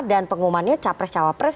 dan pengumumannya capres cawapres